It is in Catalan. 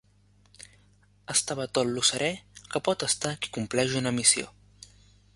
Estava tot lo serè que pot estar qui compleix una missió